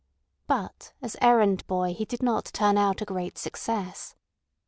But as errand boy he did not turn out a great success.